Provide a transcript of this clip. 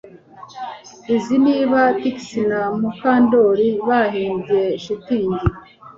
Uzi niba Trix na Mukandoli bahimbye shitingi